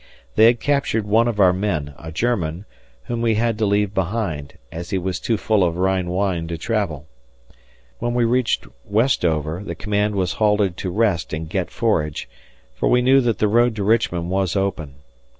They had captured one of our men, a German, whom we had to leave behind, as he was too full of Rhine wine to travel. When we reached Westover, the command was halted to rest and get forage, for we knew that the road to Richmond was open.